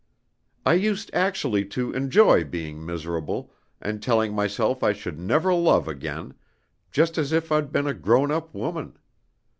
I used actually to enjoy being miserable, and telling myself I should never love again just as if I'd been a grown up woman.